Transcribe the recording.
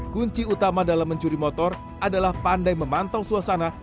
kunci utama dalam mencuri motor adalah pandai memantau suasana